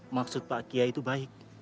maksud pak kiai itu baik